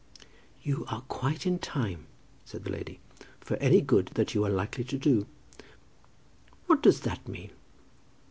"You are quite in time," said the lady, "for any good that you are likely to do." "What does that mean?"